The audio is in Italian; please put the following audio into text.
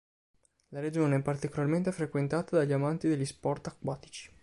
La regione è particolarmente frequentata dagli amanti degli sport acquatici.